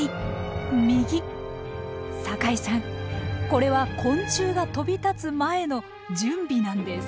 これは昆虫が飛び立つ前の準備なんです。